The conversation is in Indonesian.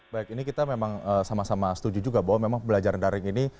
baik ini kita memang sama sama setuju juga bahwa memang pembelajaran daring ini